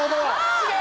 違う？